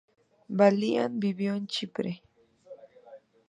Balián vivió en Chipre.